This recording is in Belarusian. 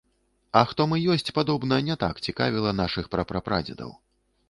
А хто мы ёсць, падобна, не так цікавіла нашых пра-пра-прадзедаў.